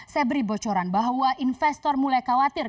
saya beri bocoran bahwa investor mulai khawatir